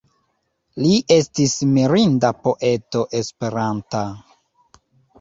Li estis mirinda poeto Esperanta.